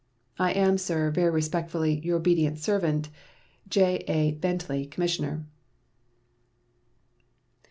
I am, sir, very respectfully, your obedient servant, J.A. BENTLEY, Commissioner.